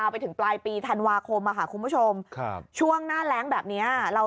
เกี่ยวกันยังไปเหรอ